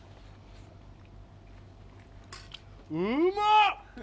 うまっ！